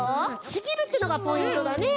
ちぎるっていうのがポイントだね！